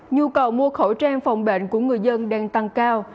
nhu cầu mua khẩu trang phòng bệnh của người dân đang tăng cao